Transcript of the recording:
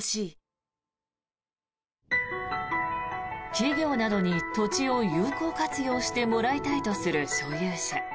企業などに土地を有効活用してもらいたいとする所有者。